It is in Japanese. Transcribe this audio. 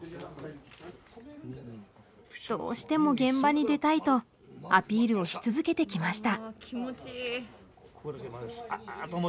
どうしても現場に出たいとアピールをし続けてきました。